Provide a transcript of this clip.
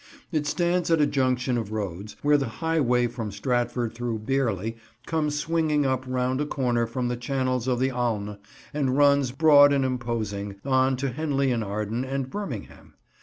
It stands at a junction of roads, where the highway from Stratford through Bearley comes swinging up round a corner from the channels of the Alne, and runs, broad and imposing, on to Henley in Arden and Birmingham.